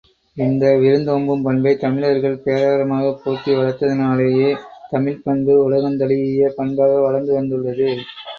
இந்த விருந்தோம்பும் பண்பைத் தமிழர்கள் பேரறமாகப் போற்றி வளர்த்ததினாலேயே தமிழ்ப் பண்பு உலகந் தழீஇய பண்பாக வளர்ந்து வந்துள்ளது.